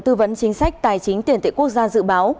tư vấn chính sách tài chính tiền tệ quốc gia dự báo